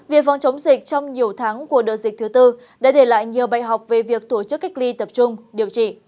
việc phòng chống dịch trong nhiều tháng của đợt dịch thứ tư đã để lại nhiều bài học về việc tổ chức cách ly tập trung điều trị